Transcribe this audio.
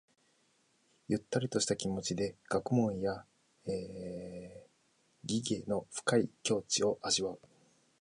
ゆったりとした気持ちで学問や技芸の深い境地を味わう。